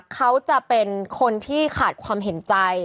เขาจะเป็นคนที่ขาดความเห็นใจ